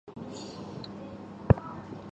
与哥疾宁王朝瓜分萨曼王朝。